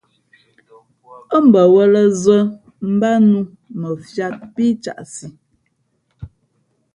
Ά bαwᾱlᾱ zᾱ mbát nnǔ mα fiāt pí caʼsi.